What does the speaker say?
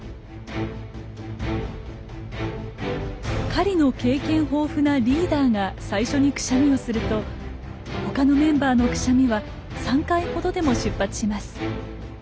狩りの経験豊富なリーダーが最初にクシャミをすると他のメンバーのクシャミは３回ほどでも出発します。